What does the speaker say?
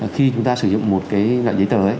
khi chúng ta sử dụng một cái loại giấy tờ ấy